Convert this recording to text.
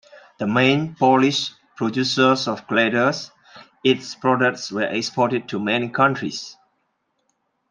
The main Polish producer of gliders, its products were exported to many countries.